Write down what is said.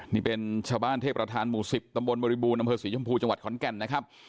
นี่เป็นชาวบ้านเทพประธานหมู่๑๐ตำบลบริบูรณอำเภอศรีชมพูจังหวัดขอนแก่นนะครับ